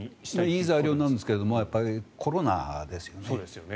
いい材料になるんですけどコロナですよね。